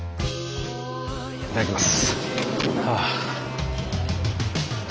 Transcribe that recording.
いただきます。